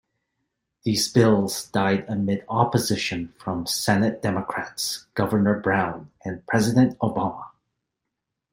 These bills died amid opposition from Senate Democrats, Governor Brown, and President Obama.